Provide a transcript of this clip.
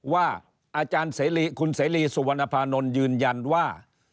อาจารย์เสรีคุณเสรีสุวรรณภานนท์ยืนยันว่า